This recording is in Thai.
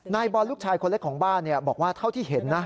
นายบอลลูกชายคนเล็กของบ้านบอกว่าเท่าที่เห็นนะ